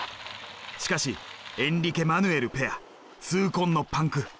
しかしエンリケマヌエルペア痛恨のパンク。